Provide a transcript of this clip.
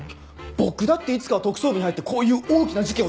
僕だっていつかは特捜部に入ってこういう大きな事件を担当。